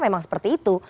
memang seperti itu